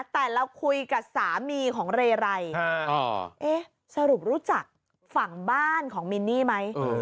แต่เราคุยกับสามีของเรไรสรุปรู้จักฝั่งบ้านของมินนี่ไหม